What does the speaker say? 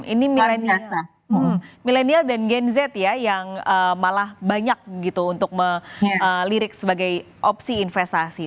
ini milenial dan gen z ya yang malah banyak gitu untuk melirik sebagai opsi investasi